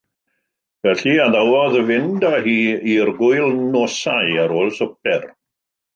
Felly addawodd fynd â hi i'r gwylnosau ar ôl swper.